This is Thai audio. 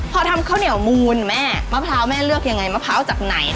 พอทำข้าวเหนียวมูลแม่มะพร้าวแม่เลือกยังไงมะพร้าวจากไหน